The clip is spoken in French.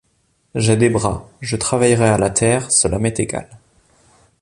J’ai des bras, je travaillerai à la terre, cela m’est égal.